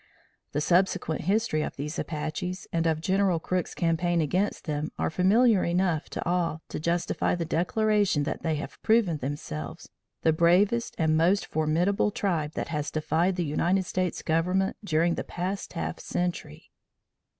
The subsequent history of these Apaches and of General Crook's campaign against them are familiar enough to all to justify the declaration that they have proven themselves the bravest and most formidable tribe that has defied the United States government during the past half century.